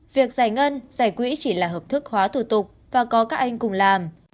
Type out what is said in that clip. việc giải ngân giải quỹ chỉ là hợp thức hóa thủ tục và có các anh cùng làm